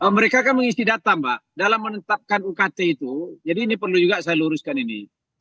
mereka kan mengisti data mbak dalam menetapkan ukt itu jadi ini perlu juga saya luruskan ini